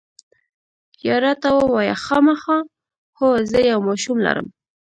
یا، راته ووایه، خامخا؟ هو، زه یو ماشوم لرم.